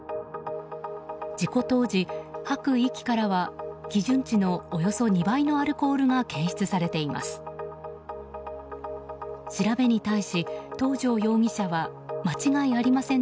事故当時、吐く息からは基準値のおよそ２倍のアルコールが検出されています。